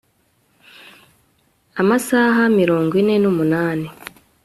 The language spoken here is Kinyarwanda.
amasaha mirongo ine n umunani